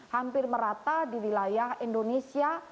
hampir merata di wilayah indonesia